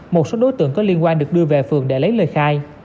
một số đối tượng có liên quan được đưa về phường để lấy lời khai